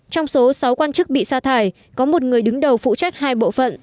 trong số sáu quan chức bị sa thải có một người đứng đầu phụ trách hai bộ phận